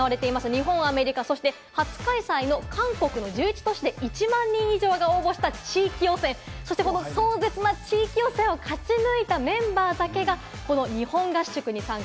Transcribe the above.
日本・アメリカ、そして初開催の韓国の１１都市で１万人以上が応募した地域予選、そしてその壮絶な地域予選を勝ち抜いたメンバーだけが、この日本合宿に参加。